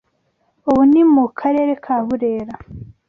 ubu ni mu Karere ka Burera